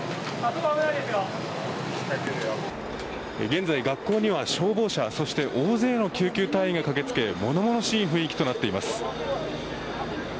現在、学校には消防車、そして大勢の救急隊員が駆けつけ物々しい雰囲気となっています。